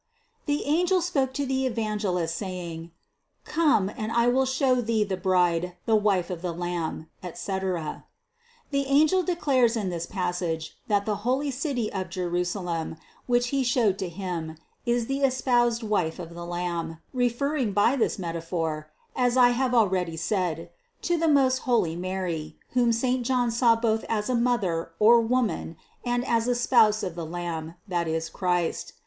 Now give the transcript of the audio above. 267. The angel spoke to the Evangelist saying: "Come, and I will show thee the bride, the wife of the Lamb," etc. The angel declares in this passage, that the holy city of Jerusalem, which he showed to him, is the espoused wife of the Lamb, referring by this meta phor (as I have already said No. 248) to the most holy Mary, whom St. John saw both as a Mother, or Woman, and as a Spouse of the Lamb, that is Christ.